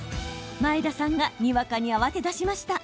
前田さんがにわかに慌てだしました。